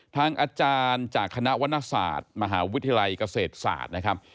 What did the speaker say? ทางอาจารย์จากคณะวรรณศาสตร์มหาวิทยาลัยเกษตรศาสตร์นะครับ